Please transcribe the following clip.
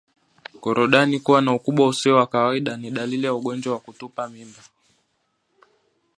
Korodani kuwa na ukubwa usio wa kawaida ni dalili ya ugonjwa wa kutupa mimba